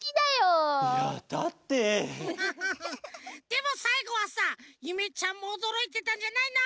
でもさいごはさゆめちゃんもおどろいてたんじゃないの？